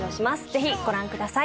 ぜひご覧ください。